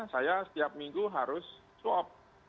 saya setiap minggu harus swab